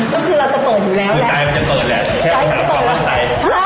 ก็คือเราจะเปิดอยู่แล้วแหละ